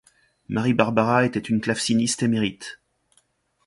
Marie-Barbara était une claveciniste émérite.